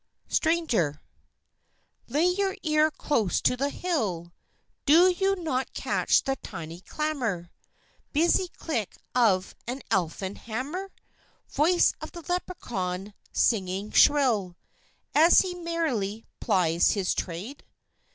STRANGER Lay your ear close to the hill. Do you not catch the tiny clamour, Busy click of an Elfin hammer, Voice of the Leprechaun singing shrill As he merrily plies his trade?